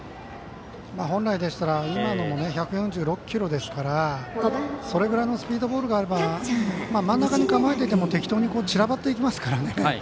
本来でしたら今のも１４６キロですからそれぐらいのスピードボールがあれば真ん中に構えていても適当に散らばっていきますからね。